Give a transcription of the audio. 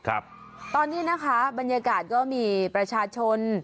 ศักดิ์สุดขนาดไหน